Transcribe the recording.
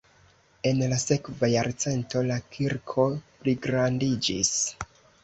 En la sekva jarcento la kirko pligrandiĝis.